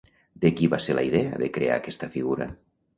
De qui va ser la idea de crear aquesta figura?